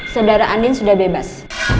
saudara andin sudah bebas